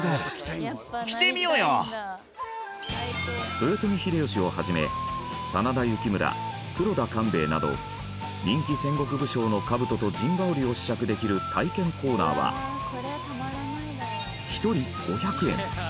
豊臣秀吉を始め真田幸村黒田官兵衛など人気戦国武将の兜と陣羽織を試着できる体験コーナーは１人５００円。